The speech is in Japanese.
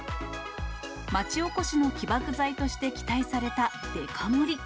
町おこしの起爆剤として期待されたデカ盛り。